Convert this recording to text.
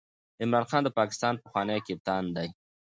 عمران خان د پاکستان پخوانی کپتان دئ.